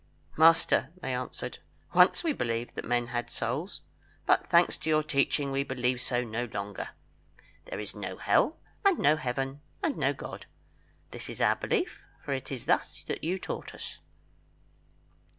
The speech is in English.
"Master," they answered, "once we believed that men had souls; but thanks to your teaching, we believe so no longer. There is no Hell, and no Heaven, and no God. This is our belief, for it is thus you taught us."